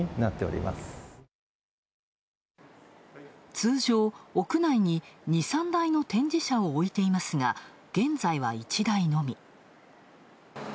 通常、屋内に２３台の展示車を置いていますが、現在は１台のみ。